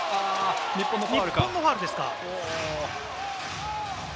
日本のファウルですか？